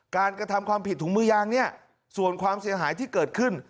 กระทำความผิดถุงมือยางเนี่ยส่วนความเสียหายที่เกิดขึ้น